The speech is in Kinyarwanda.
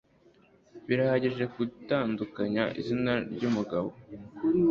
Birahagije gutandukanya izina ry umugabo